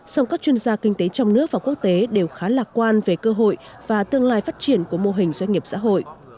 song các chuyên gia kinh tế trong nước và quốc tế đều khá lạc quan về cơ hội và tương lai phát triển của mô hình doanh nghiệp xã hội